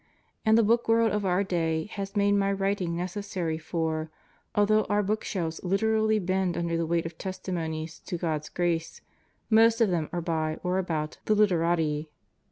And the book world of our day has made my writing necessary for, although our bookshelves literally bend under the weight of testimonies to God's grace, most of them are by or about the literati.